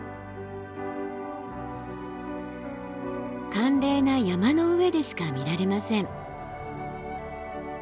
寒冷な山の上でしか見られません。